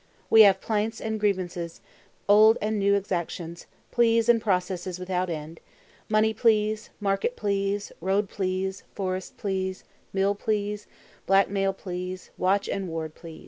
We have plaints and grievances, old and new exactions, pleas and processes without end, money pleas, market pleas, road pleas, forest pleas, mill pleas, black mail pleas, watch and ward pleas.